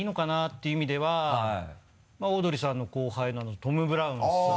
て意味ではオードリーさんの後輩のトム・ブラウンさん。